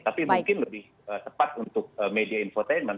tapi mungkin lebih tepat untuk media infotainment